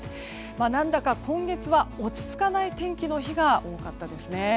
何だか今月は落ち着かない天気の日が多かったですね。